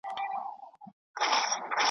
په بچو چي یې خوشاله زیږوه یې .